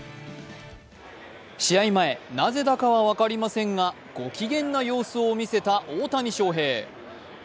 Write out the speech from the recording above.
試合前、なぜだかは分かりませんがご機嫌な様子を見せた大谷翔平。